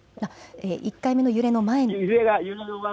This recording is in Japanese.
１回目の揺れの前に。